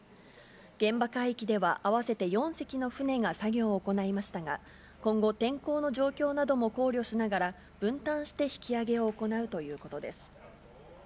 現場海域では、合わせて４隻の船が作業を行いましたが、今後、天候の状況なども考慮しながら、分担して引き揚げを行うということです。